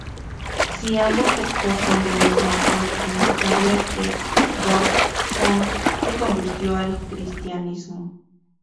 Si ambos textos son del mismo autor, significaría que Þorbjörn se convirtió al Cristianismo.